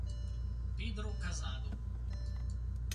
Pedro Casado